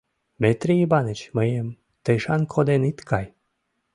Митрий Иваныч, мыйым тышан коден ит кай.